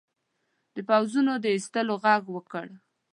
د پوځونو د ایستلو ږغ وکړ.